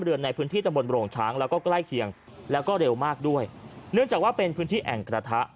ด้วยเนื่องจากว่าเป็นพื้นที่แอ่งกระทะ